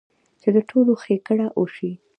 چې د ټولو ښېګړه اوشي -